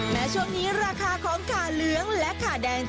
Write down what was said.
แม้ช่วงนี้ราคาของขาเหลืองและขาแดง